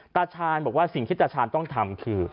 ตาชาญบอกว่าสิ่งที่ตาชาญต้องทำคือ